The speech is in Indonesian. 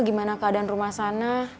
gimana keadaan rumah sana